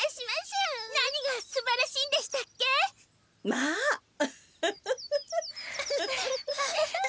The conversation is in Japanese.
まあウフフフフ。